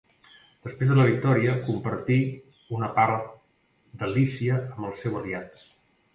Després de la victòria compartí una part de Lícia amb el seu aliat.